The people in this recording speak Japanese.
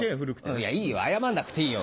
いやいいよ謝んなくていいよ。